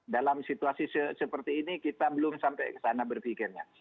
dalam situasi seperti ini kita belum sampai kesana berpikirnya